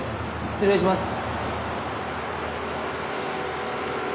失礼します。